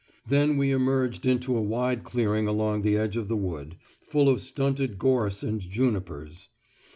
Then we emerged into a wide clearing along the edge of the wood, full of stunted gorse and junipers.